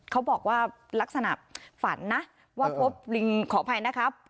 เขาบอกว่าลักษณะฝันนะว่าพบลิงขออภัยนะครับ